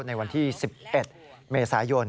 ในวันที่๑๑เมษายน